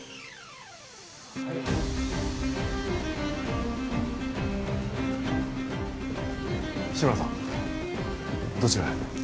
はい志村さんどちらへ？